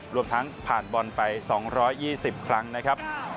รวมทั้งผ่านบอลไป๒๒๐ครั้งนะครับ